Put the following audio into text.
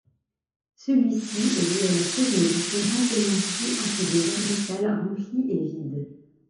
Celui-ci est dû à la faible différence d'énergie entre deux orbitales remplies et vides.